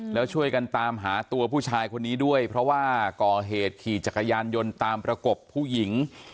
แล้วช่วยกันตามหาตัวผู้ชายคนนี้ด้วยเพราะว่าก่อเหตุขี่จักรยานยนต์ตามประกบผู้หญิง